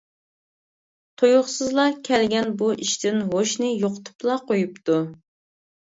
تۇيۇقسىزلا كەلگەن بۇ ئىشتىن ھوشىنى يوقىتىپلا قويۇپتۇ.